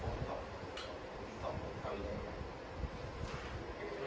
หลังจากนี้ก็ได้เห็นว่าหลังจากนี้ก็ได้เห็นว่า